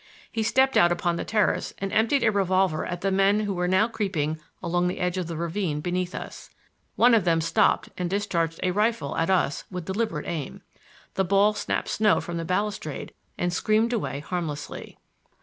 He stepped out upon the terrace and emptied a revolver at the men who were now creeping along the edge of the ravine beneath us. One of them stopped and discharged a rifle at us with deliberate aim. The ball snapped snow from the balustrade and screamed away harmlessly.